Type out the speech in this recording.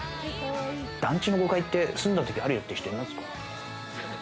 団地の５階って住んだことあるよって人いますか？